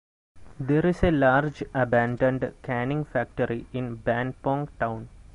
There is a large abandoned canning factory in Ban Pong town.